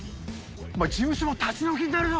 事務所も立ち退きになるぞ。